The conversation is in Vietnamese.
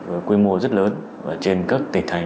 với quy mô rất lớn trên các tỉnh thành